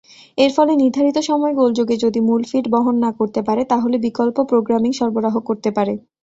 এর ফলে নির্ধারিত সময়-গোলযোগে যদি মূল ফিড বহন না করতে পারে তাহলে বিকল্প প্রোগ্রামিং সরবরাহ করতে পারে।